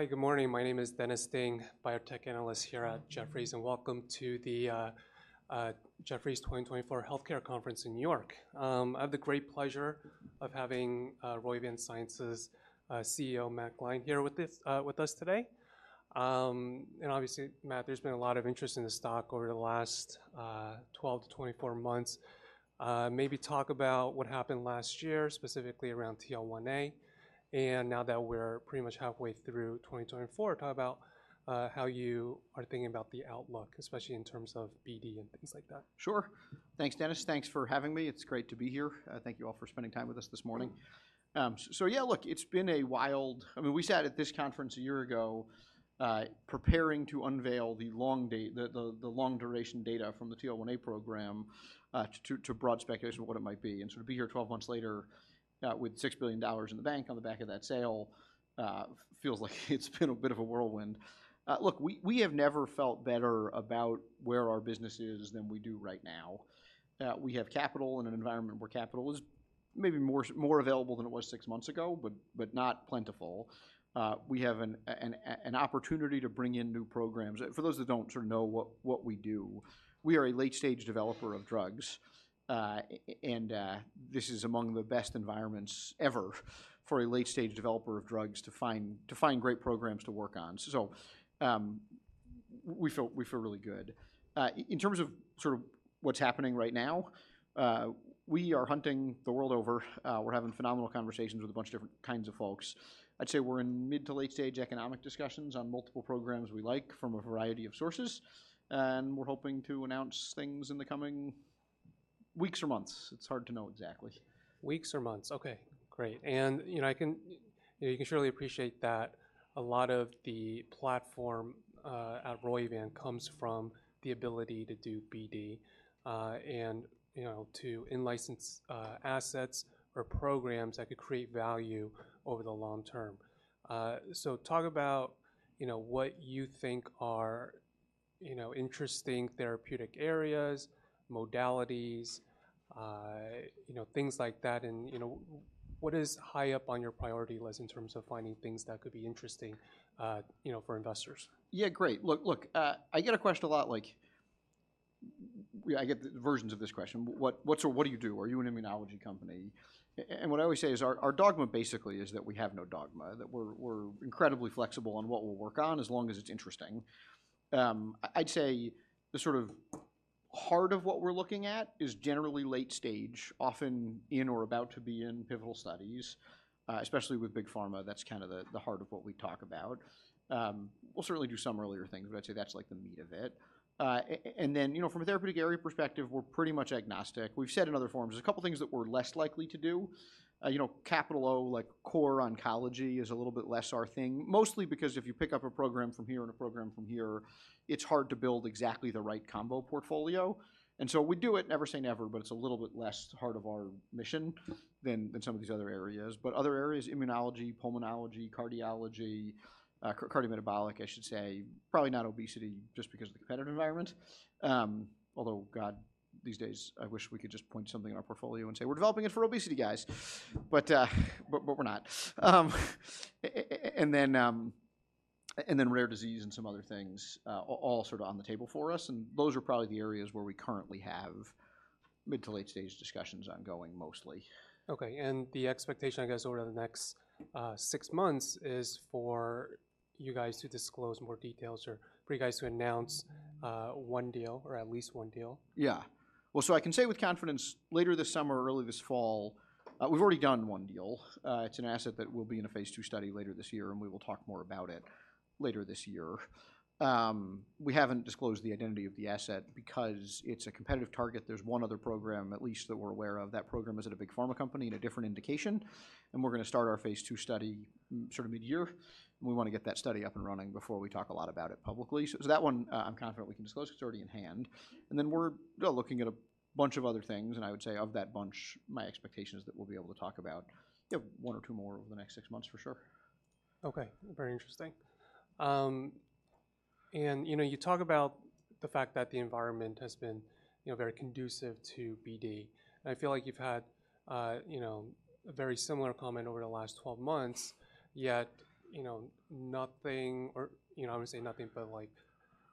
Hi, good morning. My name is Dennis Ding, biotech analyst here at Jefferies, and welcome to the Jefferies 2024 Healthcare Conference in New York. I have the great pleasure of having Roivant Sciences' CEO, Matt Gline, here with us today. And obviously, Matt, there's been a lot of interest in the stock over the last 12-24 months. Maybe talk about what happened last year, specifically around TL1A, and now that we're pretty much halfway through 2024, talk about how you are thinking about the outlook, especially in terms of BD and things like that. Sure. Thanks, Dennis. Thanks for having me. It's great to be here. Thank you all for spending time with us this morning. So yeah, look, it's been a wild—I mean, we sat at this conference a year ago, preparing to unveil the long duration data from the TL1A program, to broad speculation of what it might be. And so to be here 12 months later, with $6 billion in the bank on the back of that sale, feels like it's been a bit of a whirlwind. Look, we have never felt better about where our business is than we do right now. We have capital in an environment where capital is maybe more available than it was six months ago, but not plentiful. We have an opportunity to bring in new programs. For those that don't sort of know what we do, we are a late-stage developer of drugs, this is among the best environments ever for a late-stage developer of drugs to find great programs to work on. So, we feel really good. In terms of sort of what's happening right now, we are hunting the world over. We're having phenomenal conversations with a bunch of different kinds of folks. I'd say we're in mid to late-stage economic discussions on multiple programs we like from a variety of sources, and we're hoping to announce things in the coming weeks or months. It's hard to know exactly. Weeks or months. Okay, great. And, you know, you can surely appreciate that a lot of the platform at Roivant comes from the ability to do BD, and, you know, to in-license assets or programs that could create value over the long term. So talk about, you know, what you think are, you know, interesting therapeutic areas, modalities, you know, things like that, and, you know, what is high up on your priority list in terms of finding things that could be interesting, you know, for investors? Yeah, great. Look, look, I get a question a lot like... I get versions of this question. What, what's, what do you do? Are you an immunology company? And what I always say is our dogma basically is that we have no dogma, that we're incredibly flexible on what we'll work on as long as it's interesting. I'd say the sort of heart of what we're looking at is generally late stage, often in or about to be in pivotal studies, especially with big pharma. That's kind of the heart of what we talk about. We'll certainly do some earlier things, but I'd say that's like the meat of it. And then, you know, from a therapeutic area perspective, we're pretty much agnostic. We've said in other forums, there's a couple of things that we're less likely to do. You know, capital O, like core oncology, is a little bit less our thing. Mostly because if you pick up a program from here and a program from here, it's hard to build exactly the right combo portfolio. And so we do it, never say never, but it's a little bit less heart of our mission than some of these other areas. But other areas, immunology, pulmonology, cardiology, cardiometabolic, I should say. Probably not obesity, just because of the competitive environment. Although, God, these days, I wish we could just point something in our portfolio and say, "We're developing it for obesity, guys!" But we're not. And then rare disease and some other things, all sort of on the table for us, and those are probably the areas where we currently have mid- to late-stage discussions ongoing, mostly. Okay, and the expectation, I guess, over the next six months, is for you guys to disclose more details or for you guys to announce one deal, or at least one deal? Yeah. Well, so I can say with confidence, later this summer or early this fall, we've already done publicly. So that one, I'm confident we can disclose. It's already in hand. Then we're looking at a bunch of other things, and I would say of that bunch, my new deal. It's an asset that will be in a Phase II study later this year, and we will talk more about it later this year. We haven't disclosed the identity of the asset because it's a competitive target. There's one other program, at least, that we're aware of. That program is at a big pharma company in a different indication, and we're gonna start our Phase II study sort of midyear. We want to get that study up and running before we talk a lot about it but the expectation is that we'll be able to talk about one or two more over the next six months for sure. Okay, very interesting. And, you know, you talk about the fact that the environment has been, you know, very conducive to BD, and I feel like you've had, you know, a very similar comment over the last 12 months, yet, you know, nothing or, you know, I wouldn't say nothing, but like,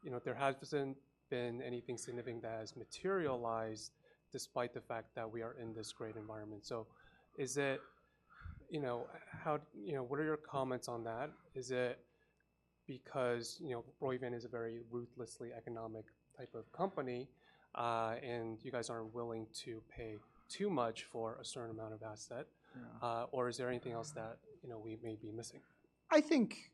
you know, there hasn't been anything significant that has materialized despite the fact that we are in this great environment. So is it you know, what are your comments on that? Is it because, you know, Roivant is a very ruthlessly economic type of company, and you guys aren't willing to pay too much for a certain amount of asset or is there anything else that, you know, we may be missing? I think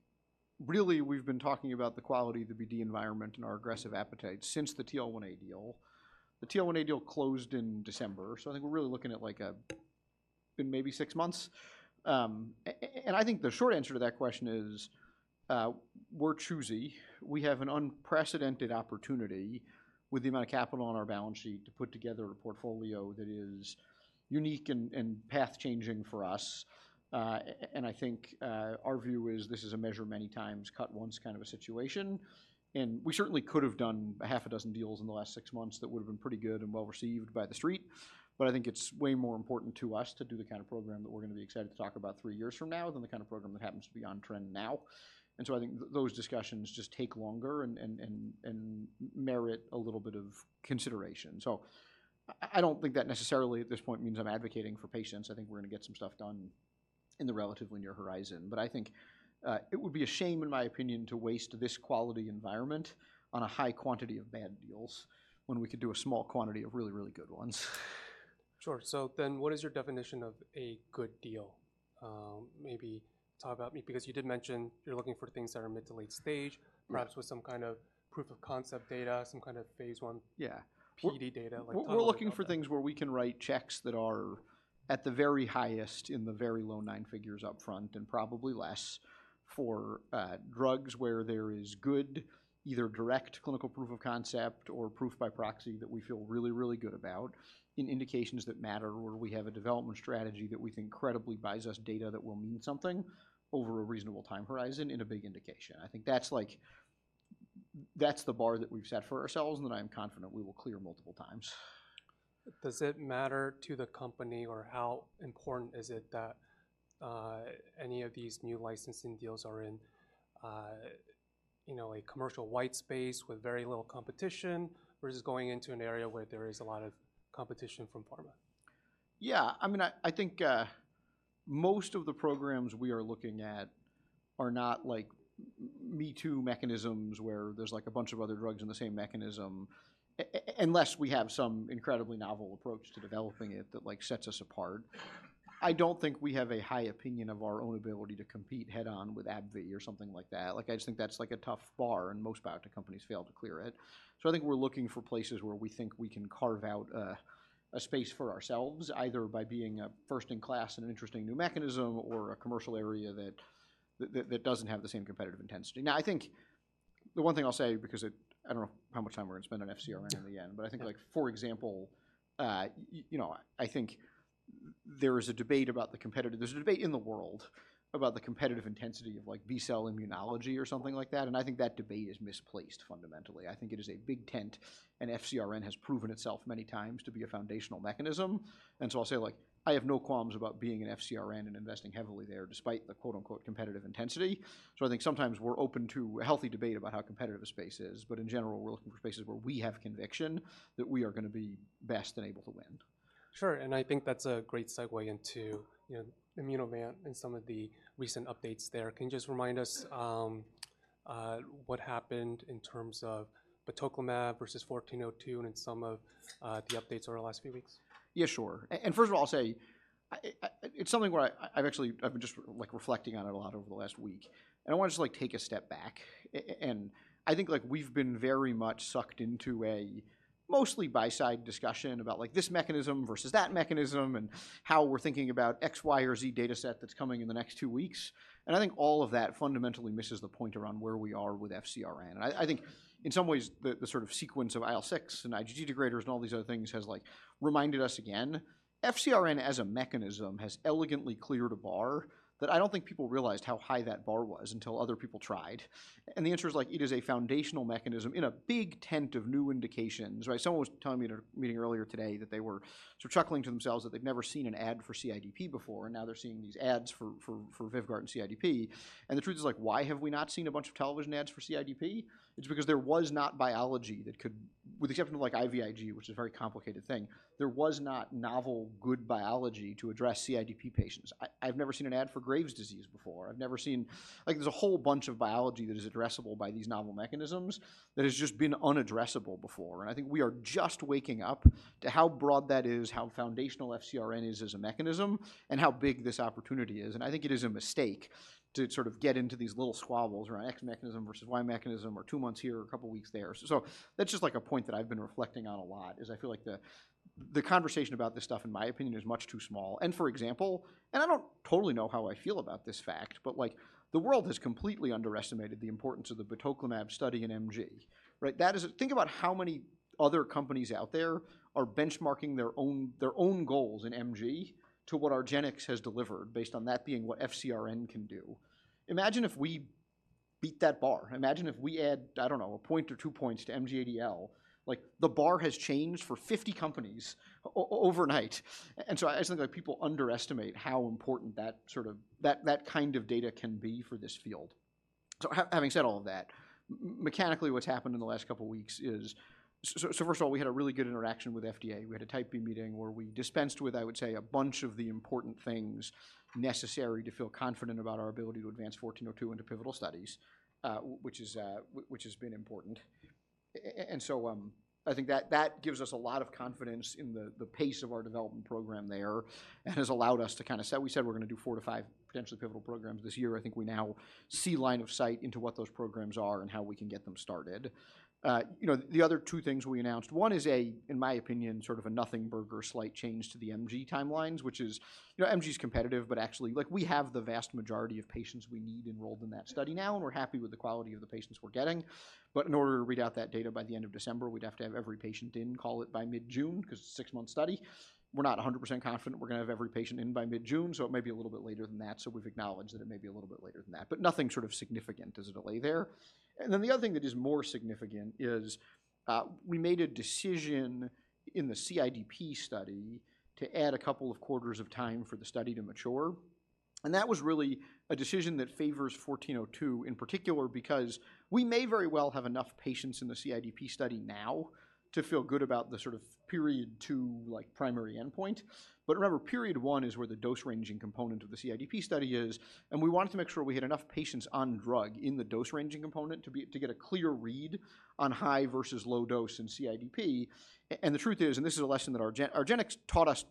really we've been talking about the quality of the BD environment and our aggressive appetite since the TL1A deal. The TL1A deal closed in December, so I think we're really looking at, like, about maybe six months. And I think the short answer to that question is, we're choosy. We have an unprecedented opportunity with the amount of capital on our balance sheet to put together a portfolio that is unique and, and path-changing for us. And I think, our view is this is a measure many times, cut once kind of a situation, and we certainly could have done a half a dozen deals in the last six months that would've been pretty good and well-received by the street. But I think it's way more important to us to do the kind of program that we're gonna be excited to talk about three years from now than the kind of program that happens to be on trend now. And so I think those discussions just take longer and merit a little bit of consideration. So I don't think that necessarily, at this point, means I'm advocating for patients. I think we're gonna get some stuff done in the relatively near horizon. But I think it would be a shame, in my opinion, to waste this quality environment on a high quantity of bad deals when we could do a small quantity of really, really good ones. Sure. So then what is your definition of a good deal? Maybe talk about me, because you did mention you're looking for things that are mid to late stage perhaps with some kind of proof of concept data, some kind of phase I PD data, like, talk about that. We're looking for things where we can write checks that are at the very highest in the very low nine figures up front, and probably less for drugs where there is good, either direct clinical proof of concept or proof by proxy that we feel really, really good about in indications that matter, where we have a development strategy that we think credibly buys us data that will mean something over a reasonable time horizon in a big indication. I think that's that's the bar that we've set for ourselves, and that I'm confident we will clear multiple times. Does it matter to the company or how important is it that any of these new licensing deals are in, you know, a commercially wide space with very little competition, versus going into an area where there is a lot of competition from pharma? Yeah, I mean, I think most of the programs we are looking at are not like me-too mechanisms, where there's, like, a bunch of other drugs in the same mechanism, unless we have some incredibly novel approach to developing it that, like, sets us apart. I don't think we have a high opinion of our own ability to compete head-on with AbbVie or something like that. Like, I just think that's, like, a tough bar, and most biotech companies fail to clear it. So I think we're looking for places where we think we can carve out a space for ourselves, either by being a first-in-class and an interesting new mechanism, or a commercial area that doesn't have the same competitive intensity. Now, I think the one thing I'll say, because it—I don't know how much time we're gonna spend on FcRn in the end, but I think, like, for example, you know, I think there is a debate about the competitive—There's a debate in the world about the competitive intensity of, like, B-cell immunology or something like that, and I think that debate is misplaced fundamentally. I think it is a big tent, and FcRn has proven itself many times to be a foundational mechanism. And so I'll say, like, I have no qualms about being in FcRn and investing heavily there, despite the, quote-unquote, competitive intensity. So I think sometimes we're open to a healthy debate about how competitive a space is, but in general, we're looking for spaces where we have conviction that we are gonna be best and able to win. Sure, and I think that's a great segue into, you know, Immunovant and some of the recent updates there. Can you just remind us, what happened in terms of batoclimab versus IMVT-1402 and in some of the updates over the last few weeks? Yeah, sure. And first of all, I'll say, it's something where I've actually been just like reflecting on it a lot over the last week, and I want to just like take a step back. And I think like we've been very much sucked into a mostly buy-side discussion about like this mechanism versus that mechanism, and how we're thinking about X, Y, or Z data set that's coming in the next two weeks. And I think all of that fundamentally misses the point around where we are with FcRn. I think in some ways, the sort of sequence of IL-6 and IgG degraders and all these other things has like reminded us again, FcRn as a mechanism has elegantly cleared a bar that I don't think people realized how high that bar was until other people tried. And the answer is like, it is a foundational mechanism in a big tent of new indications, right? Someone was telling me in a meeting earlier today that they were sort of chuckling to themselves that they've never seen an ad for CIDP before, and now they're seeing these ads for Vyvgart and CIDP. And the truth is, like, why have we not seen a bunch of television ads for CIDP? It's because there was not biology that could, with the exception of, like, IVIG, which is a very complicated thing, there was not novel, good biology to address CIDP patients. I've never seen an ad for Graves' disease before. I've never seen. Like, there's a whole bunch of biology that is addressable by these novel mechanisms that has just been unaddressable before, and I think we are just waking up to how broad that is, how foundational FcRn is as a mechanism, and how big this opportunity is. And I think it is a mistake to sort of get into these little squabbles around X mechanism versus Y mechanism, or two months here, or a couple of weeks there. So that's just, like, a point that I've been reflecting on a lot, is I feel like the conversation about this stuff, in my opinion, is much too small. And for example, and I don't totally know how I feel about this fact, but like, the world has completely underestimated the importance of the batoclimab study in MG, right? That is a think about how many other companies out there are benchmarking their own, their own goals in MG to what argenx has delivered based on that being what FcRn can do. Imagine if we beat that bar. Imagine if we add, I don't know, a point or two points to MG-ADL, like, the bar has changed for 50 companies overnight. And so I just think that people underestimate how important that sort of, that, that kind of data can be for this field. So having said all of that, mechanically, what's happened in the last couple of weeks is... So first of all, we had a really good interaction with FDA. We had a Type B meeting where we dispensed with, I would say, a bunch of the important things necessary to feel confident about our ability to advance 1402 into pivotal studies, which has been important. And so, I think that gives us a lot of confidence in the pace of our development program there and has allowed us to kind of say, we said we're gonna do four to five potentially pivotal programs this year. I think we now see line of sight into what those programs are and how we can get them started. You know, the other two things we announced, one is a, in my opinion, sort of a nothing burger, slight change to the MG timelines, which is, you know, MG is competitive, but actually, like, we have the vast majority of patients we need enrolled in that study now, and we're happy with the quality of the patients we're getting. But in order to read out that data by the end of December, we'd have to have every patient in call it by mid-June, because it's a six-month study. We're not 100% confident we're gonna have every patient in by mid-June, so it may be a little bit later than that. So we've acknowledged that it may be a little bit later than that, but nothing sort of significant as a delay there. And then the other thing that is more significant is, we made a decision in the CIDP study to add a couple of quarters of time for the study to mature, and that was really a decision that favors 1402 in particular, because we may very well have enough patients in the CIDP study now to feel good about the sort of Period 2-like primary endpoint. But remember, Period 1 is where the dose-ranging component of the CIDP study is, and we wanted to make sure we had enough patients on drug in the dose-ranging component to get a clear read on high versus low dose in CIDP. And the truth is, and this is a lesson that argenx taught us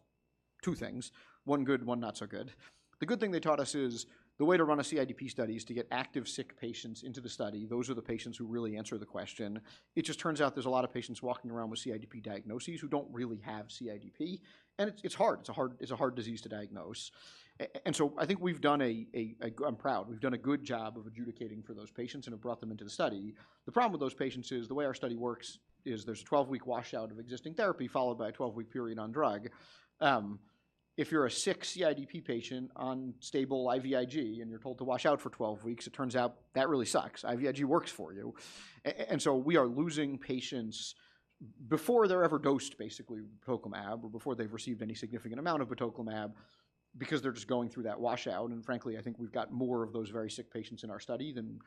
two things, one good, one not so good. The good thing they taught us is, the way to run a CIDP study is to get active sick patients into the study. Those are the patients who really answer the question. It just turns out there's a lot of patients walking around with CIDP diagnoses who don't really have CIDP, and it's, it's hard. It's a hard, it's a hard disease to diagnose. And so I think we've done a—I'm proud. We've done a good job of adjudicating for those patients and have brought them into the study. The problem with those patients is, the way our study works is there's a 12-week washout of existing therapy, followed by a 12-week period on drug. If you're a sick CIDP patient on stable IVIG, and you're told to wash out for 12 weeks, it turns out that really sucks. IVIG works for you. And so we are losing patients before they're ever dosed, basically, batoclimab, or before they've received any significant amount of batoclimab, because they're just going through that washout. And frankly, I think we've got more of those very sick patients in our study than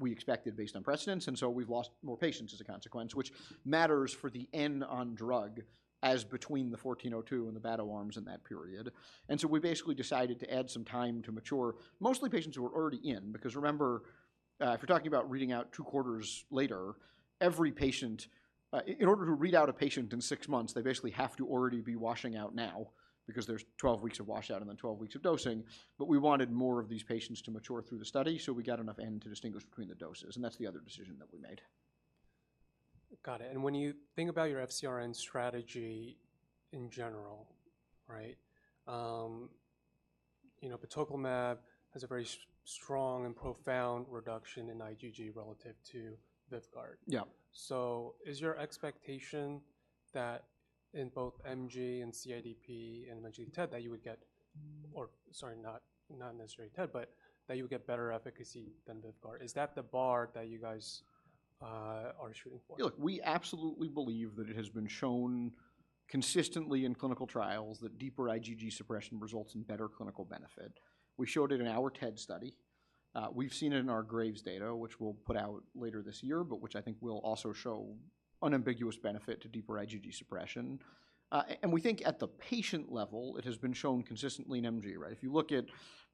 we expected, based on precedent, and so we've lost more patients as a consequence, which matters for the N on drug as between the IMVT-1402 and the BATO arms in that period. And so we basically decided to add some time to mature, mostly patients who are already in, because remember, if you're talking about reading out two quarters later, every patient. In order to read out a patient in six months, they basically have to already be washing out now, because there's 12 weeks of washout and then 12 weeks of dosing. We wanted more of these patients to mature through the study, so we got enough N to distinguish between the doses, and that's the other decision that we made. Got it, and when you think about your FcRn strategy in general, right, you know, batoclimab has a very strong and profound reduction in IgG relative to Vyvgart. Yeah. So is your expectation that in both MG and CIDP and eventually TED that you would get-- or sorry, not, not necessarily TED, but that you would get better efficacy than Vyvgart? Is that the bar that you guys are shooting for? Look, we absolutely believe that it has been shown consistently in clinical trials that deeper IgG suppression results in better clinical benefit. We showed it in our TED study. We've seen it in our Graves' data, which we'll put out later this year, but which I think will also show unambiguous benefit to deeper IgG suppression. And we think at the patient level, it has been shown consistently in MG, right? If you look at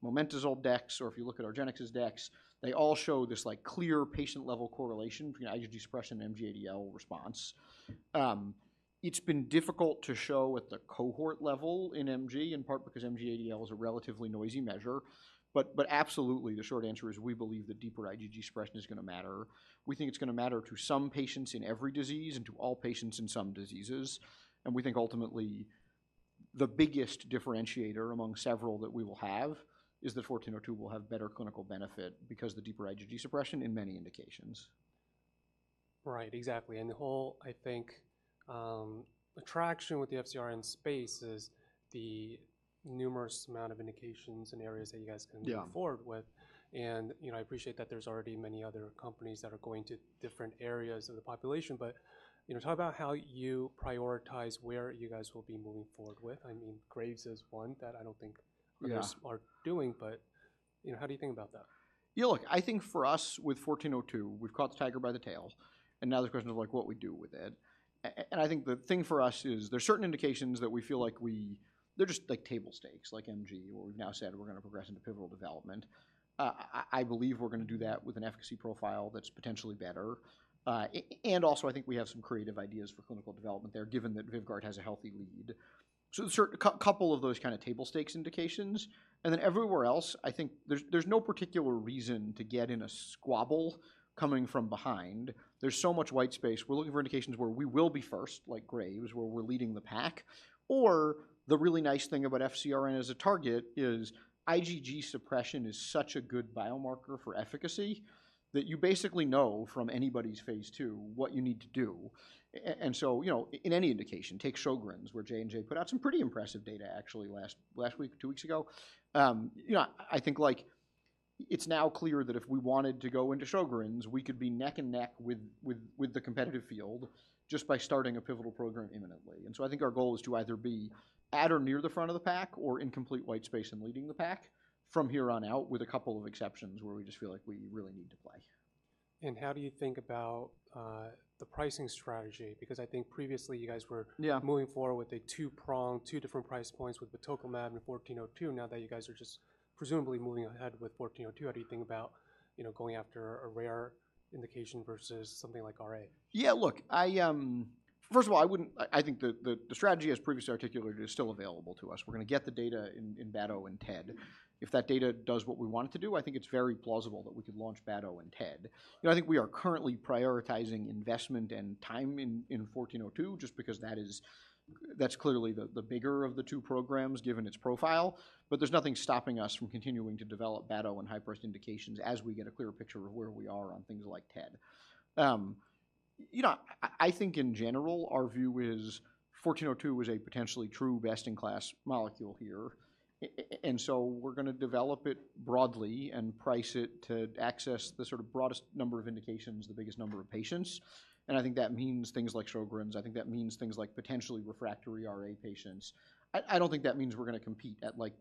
Momenta's decks or if you look at argenx's decks, they all show this, like, clear patient-level correlation between IgG suppression and MG-ADL response. It's been difficult to show at the cohort level in MG, in part because MG-ADL is a relatively noisy measure, but, but absolutely, the short answer is we believe that deeper IgG suppression is gonna matter. We think it's gonna matter to some patients in every disease and to all patients in some diseases, and we think ultimately, the biggest differentiator among several that we will have is that IMVT-1402 will have better clinical benefit because the deeper IgG suppression in many indications. Right. Exactly, and the whole, I think, attraction with the FcRn space is the numerous amount of indications and areas that you guys can move forward with. And, you know, I appreciate that there's already many other companies that are going to different areas of the population, but, you know, talk about how you prioritize where you guys will be moving forward with. I mean, Graves' is one that I don't think others are doing, but, you know, how do you think about that? Yeah, look, I think for us, with 1402, we've caught the tiger by the tail, and now the question is, like, what we do with it. And I think the thing for us is there are certain indications that we feel like we're just like table stakes, like MG, where we've now said we're gonna progress into pivotal development. I believe we're gonna do that with an efficacy profile that's potentially better. And also, I think we have some creative ideas for clinical development there, given that Vyvgart has a healthy lead. So a couple of those kind of table stakes indications, and then everywhere else, I think there's no particular reason to get in a squabble coming from behind. There's so much white space. We're looking for indications where we will be first, like Graves', where we're leading the pack, or the really nice thing about FcRn as a target is IgG suppression is such a good biomarker for efficacy, that you basically know from anybody's Phase II what you need to do. And so, you know, in any indication, take Sjogren's, where J&J put out some pretty impressive data, actually, last week or two weeks ago. You know, I think, like, it's now clear that if we wanted to go into Sjogren's, we could be neck and neck with the competitive field just by starting a pivotal program imminently. And so I think our goal is to either be at or near the front of the pack or in complete white space and leading the pack from here on out, with a couple of exceptions, where we just feel like we really need to play. How do you think about the pricing strategy? Because I think previously you guys were-moving forward with a two-pronged, two different price points with batoclimab and IMVT-1402. Now that you guys are just presumably moving ahead with IMVT-1402, how do you think about, you know, going after a rare indication versus something like RA? Yeah, look, I think the strategy as previously articulated is still available to us. We're gonna get the data in BATO and TED. If that data does what we want it to do, I think it's very plausible that we could launch BATO and TED. You know, I think we are currently prioritizing investment and time in 1402, just because that is—that's clearly the bigger of the two programs, given its profile, but there's nothing stopping us from continuing to develop BATO and high-risk indications as we get a clearer picture of where we are on things like TED. You know, I think in general, our view is 1402 is a potentially true best-in-class molecule here. And so we're gonna develop it broadly and price it to access the sort of broadest number of indications, the biggest number of patients, and I think that means things like Sjogren's. I think that means things like potentially refractory RA patients. I don't think that means we're gonna compete at, like,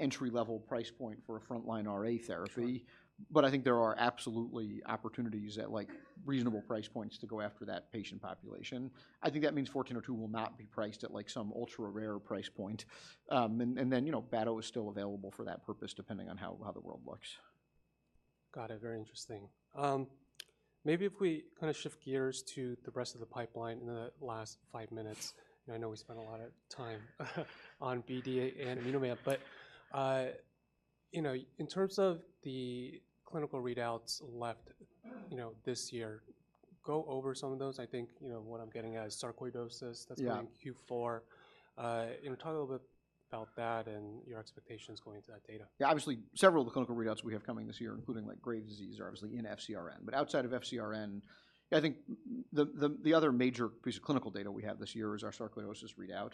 entry-level price point for a frontline RA therapy, but I think there are absolutely opportunities at, like, reasonable price points to go after that patient population. I think that means 1401 or 1402 will not be priced at, like, some ultra-rare price point. And then, you know, batoclimab is still available for that purpose, depending on how the world looks. Got it. Very interesting. Maybe if we kind of shift gears to the rest of the pipeline in the last five minutes. I know we spent a lot of time on IBD and immunology, but, you know, in terms of the clinical readouts left, you know, this year, go over some of those. I think, you know, what I'm getting at is sarcoidosis that's in Q4. You know, talk a little bit about that and your expectations going into that data. Yeah, obviously, several of the clinical readouts we have coming this year, including, like, Graves' disease, are obviously in FcRn. But outside of FcRn, I think the other major piece of clinical data we have this year is our sarcoidosis readout.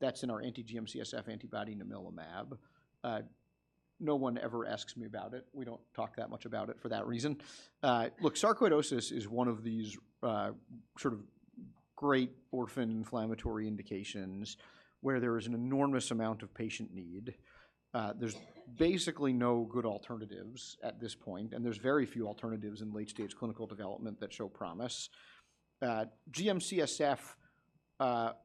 That's in our anti-GM-CSF antibody namilumab. No one ever asks me about it. We don't talk that much about it for that reason. Look, sarcoidosis is one of these, sort of great orphan inflammatory indications where there is an enormous amount of patient need. There's basically no good alternatives at this point, and there's very few alternatives in late-stage clinical development that show promise. GM-CSF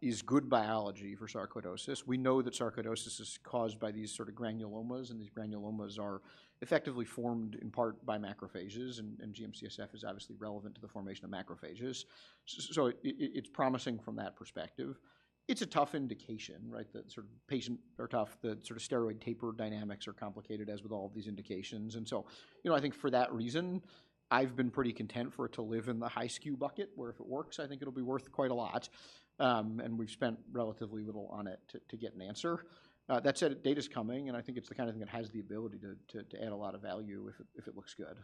is good biology for sarcoidosis. We know that sarcoidosis is caused by these sort of granulomas, and these granulomas are effectively formed in part by macrophages, and GM-CSF is obviously relevant to the formation of macrophages. So it's promising from that perspective. It's a tough indication, right? The sort of patient are tough. The sort of steroid taper dynamics are complicated, as with all of these indications. And so, you know, I think for that reason, I've been pretty content for it to live in the high SKU bucket, where if it works, I think it'll be worth quite a lot. And we've spent relatively little on it to get an answer. That said, data's coming, and I think it's the kind of thing that has the ability to add a lot of value if it looks good.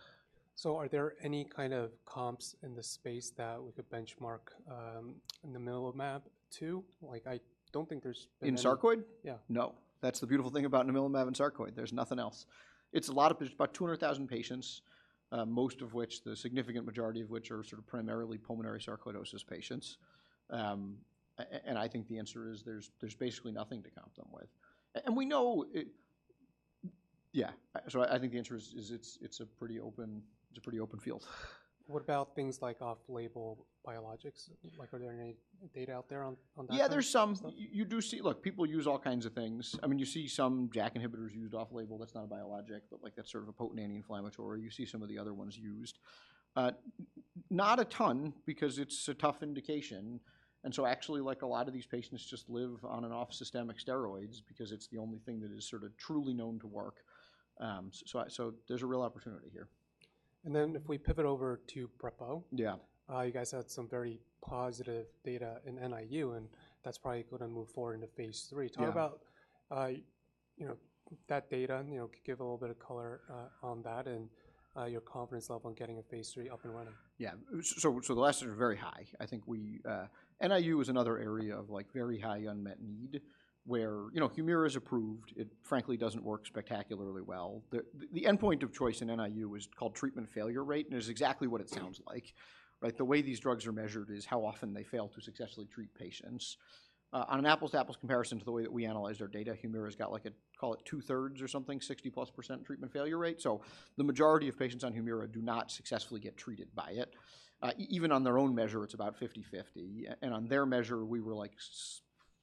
So are there any kind of comps in the space that we could benchmark in the nipocalimab, too? Like, I don't think there's- In sarcoid? Yeah. No. That's the beautiful thing about namilumab in sarcoidosis. There's nothing else. It's a lot of, about 200,000 patients, most of which, the significant majority of which are sort of primarily pulmonary sarcoidosis patients. And I think the answer is there's basically nothing to comp them with. And we know it... Yeah, so I think the answer is it's a pretty open field. What about things like off-label biologics? Like, are there any data out there on that? Yeah, there's some. You do see. Look, people use all kinds of things. I mean, you see some JAK inhibitors used off-label. That's not a biologic, but, like, that's sort of a potent anti-inflammatory. You see some of the other ones used. Not a ton because it's a tough indication, and so actually, like, a lot of these patients just live on and off systemic steroids because it's the only thing that is sort of truly known to work. So there's a real opportunity here. Then if we pivot over to brepocitinib you guys had some very positive data in NIU, and that's probably going to move forward Phase III talk about, you know, that data, and, you know, give a little bit of color on that, and your confidence level on getting Phase III up and running. Yeah. So, so the lessons are very high. I think we... NIU is another area of, like, very high unmet need, where, you know, Humira is approved. It frankly doesn't work spectacularly well. The, the endpoint of choice in NIU is called treatment failure rate, and it's exactly what it sounds like, right? The way these drugs are measured is how often they fail to successfully treat patients. On an apples-to-apples comparison to the way that we analyzed our data, Humira's got, like, a call it 2/3 or something, 60+% treatment failure rate. So the majority of patients on Humira do not successfully get treated by it. Even on their own measure, it's about 50/50, and on their measure, we were like,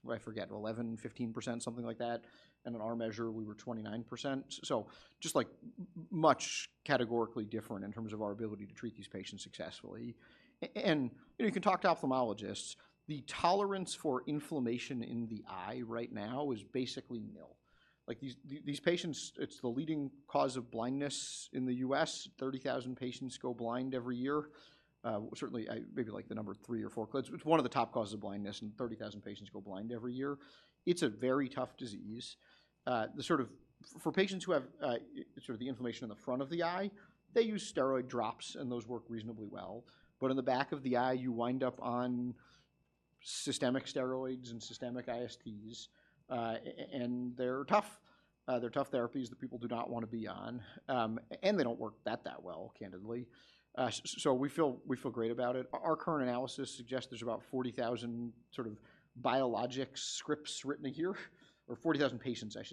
I forget, 11%, 15%, something like that, and on our measure, we were 29%. So just, like, much categorically different in terms of our ability to treat these patients successfully. And, you know, you can talk to ophthalmologists. The tolerance for inflammation in the eye right now is basically nil. Like, these, these patients, it's the leading cause of blindness in the U.S. 30,000 patients go blind every year. Certainly, maybe, like, the number three or four cause, it's one of the top causes of blindness, and 30,000 patients go blind every year. It's a very tough disease. The sort of... For patients who have, sort of the inflammation in the front of the eye, they use steroid drops, and those work reasonably well. But in the back of the eye, you wind up on systemic steroids and systemic ISTs, and they're tough. They're tough therapies that people do not want to be on, and they don't work that well, candidly. So we feel great about it. Our current analysis suggests there's about 40,000 sort of biologics scripts written a year, or 40,00%-60% of the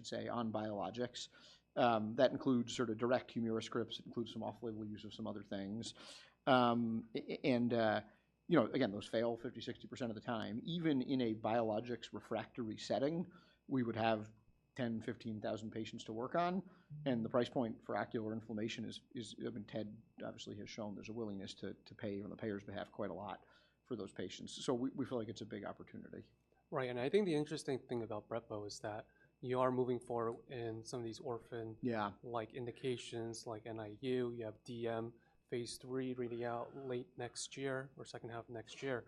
time. Even in a biologics refractory setting, we would have 10,000-15,000 patients to work on, and the price point for ocular inflammati0 patients, I should say, on biologics. That includes sort of direct Humira scripts, includes some off-label use of some other things. You know, again, those fail 50on is, I mean, TED obviously has shown there's a willingness to pay on the payers' behalf quite a lot for those patients. So we feel like it's a big opportunity. Right, and I think the interesting thing about brepo is that you are moving forward in some of these orphan like indications, like NIU. You have Phase III reading out late next year or second half of next year.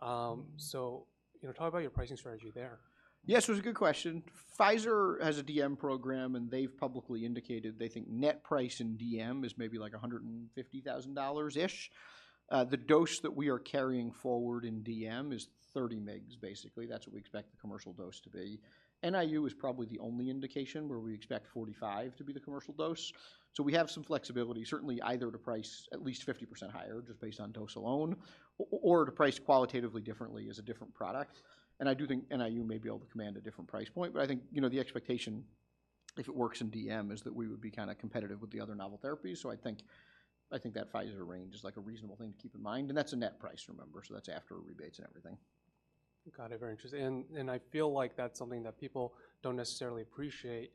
So, you know, talk about your pricing strategy there. Yes, it's a good question. Pfizer has a DM program, and they've publicly indicated they think net price in DM is maybe, like, $150,000-ish. The dose that we are carrying forward in DM is 30 mgs, basically. That's what we expect the commercial dose to be. NIU is probably the only indication where we expect 45 to be the commercial dose. So we have some flexibility, certainly either to price at least 50% higher just based on dose alone or, or to price qualitatively differently as a different product. And I do think NIU may be able to command a different price point, but I think, you know, the expectation, if it works in DM, is that we would be kind of competitive with the other novel therapies. I think, I think that Pfizer range is, like, a reasonable thing to keep in mind, and that's a net price, remember, so that's after rebates and everything. Got it, very interesting. And I feel like that's something that people don't necessarily appreciate,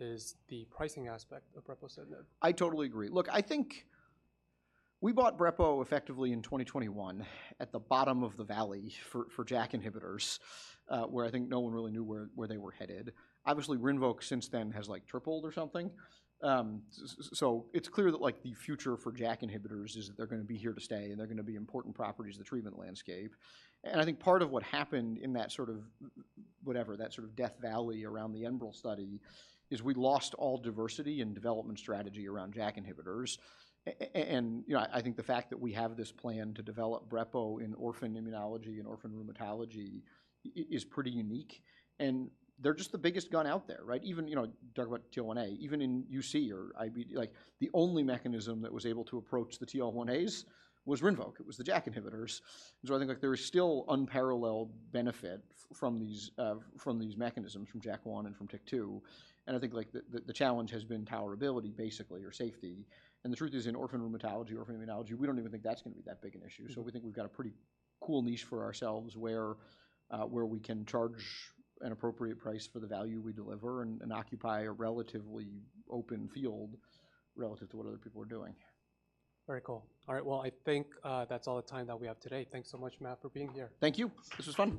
is the pricing aspect of brepocitinib. I totally agree. Look, I think we bought Breppo effectively in 2021 at the bottom of the valley for JAK inhibitors, where I think no one really knew where they were headed. Obviously, Rinvoq since then has, like, tripled or something. So it's clear that, like, the future for JAK inhibitors is that they're going to be here to stay, and they're going to be important properties of the treatment landscape. And I think part of what happened in that sort of, whatever, that sort of Death Valley around the Enbrel study is we lost all diversity and development strategy around JAK inhibitors. And, you know, I think the fact that we have this plan to develop Breppo in orphan immunology and orphan rheumatology is pretty unique, and they're just the biggest gun out there, right? Even, you know, talk about TL1A, even in UC or IBD, like, the only mechanism that was able to approach the TL1As was Rinvoq. It was the JAK inhibitors. So I think, like, there is still unparalleled benefit from these mechanisms, from JAK1 and from TYK2, and I think, like, the challenge has been tolerability, basically, or safety. And the truth is, in orphan rheumatology, orphan immunology, we don't even think that's going to be that big an issue. So we think we've got a pretty cool niche for ourselves where we can charge an appropriate price for the value we deliver and occupy a relatively open field relative to what other people are doing. Very cool. All right, well, I think that's all the time that we have today. Thanks so much, Matt, for being here. Thank you. This was fun.